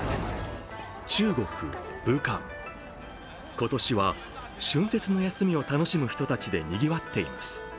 今年は春節の休みを楽しむ人たちでにぎわっています。